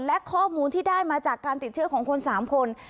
และข้อมูลที่ได้มาจากการติดเชื้อของคน๓คน